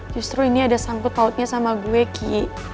justru ini ada sangkut pautnya sama gue ki